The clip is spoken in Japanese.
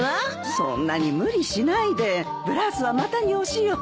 そんなに無理しないでブラウスはまたにおしよ。